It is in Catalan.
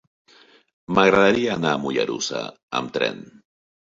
M'agradaria anar a Mollerussa amb tren.